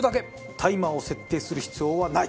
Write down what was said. タイマーを設定する必要はない。